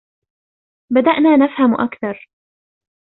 بدأنا نفهم أكثر.